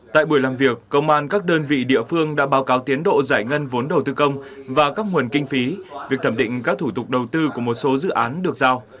tại buổi làm việc công an các đơn vị địa phương đã báo cáo tiến độ giải ngân vốn đầu tư công và các nguồn kinh phí việc thẩm định các thủ tục đầu tư của một số dự án được giao